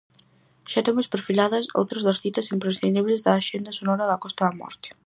Xa temos perfiladas outras das citas imprescindibles da axenda sonora da Costa da Morte.